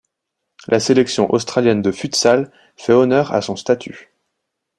La sélection australienne de futsal fait honneur à son statut.